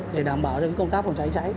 để đảm bảo công tác phòng cháy chữa cháy